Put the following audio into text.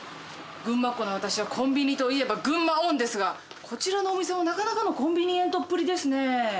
群馬っ子の私はコンビニといえば「グンマオン」ですがこちらのお店もなかなかのコンビニエントっぷりですね。